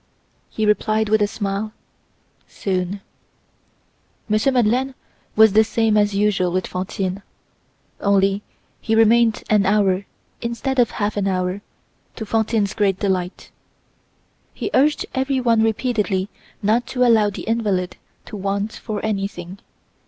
He replied with a smile:— "Soon." M. Madeleine was the same as usual with Fantine. Only he remained an hour instead of half an hour, to Fantine's great delight. He urged every one repeatedly not to allow the invalid to want for anything.